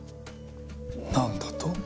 なんだと？